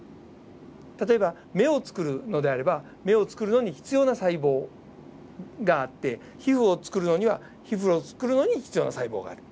例えば目を作るのであれば目を作るのに必要な細胞があって皮膚を作るのには皮膚を作るのに必要な細胞がある。